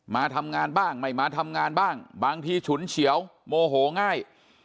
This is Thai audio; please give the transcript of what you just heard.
มาทำงานบ้างไม่มาทำงานบ้างบางทีฉุนเฉียวโมโหง่าย